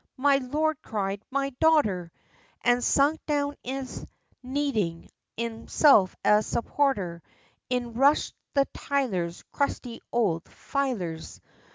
My lord cried, 'My daughter!' And sunk down as needing, himself, a supporter: In rush'd the tylers, Crusty old file ers!